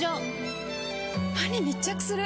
歯に密着する！